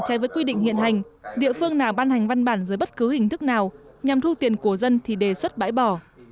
trái với quy định hiện hành địa phương nào ban hành văn bản dưới bất cứ hình thức nào nhằm thu tiền của dân thì đề xuất bãi bỏ